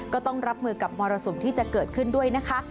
ก็ต้องรับมือกับมรสุมที่จะเกิดขึ้นด้วยนะคะ